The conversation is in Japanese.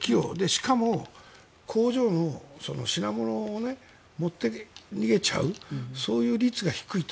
しかも、工場の品物を持って逃げちゃうそういう率が低いと。